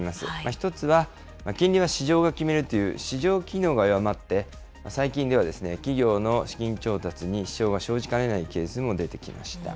１つは金利は市場が決めるという市場機能が弱まって、最近では企業の資金調達に支障が生じかねないケースも出てきました。